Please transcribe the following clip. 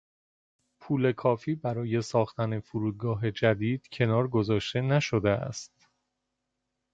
پول کافی برای ساختن فرودگاه جدید کنار گذاشته نشده است.